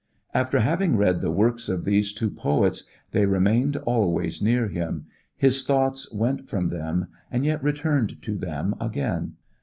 After having read the works of these two poets they remained always near him, his thoughts went from them and yet returned to them again.